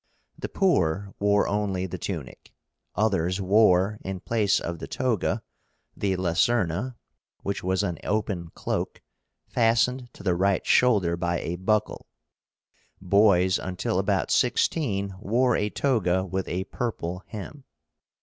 The poor wore only the tunic, others wore, in place of the toga, the LACERNA, which was an open cloak, fastened to the right shoulder by a buckle. Boys, until about sixteen, wore a toga with a purple hem.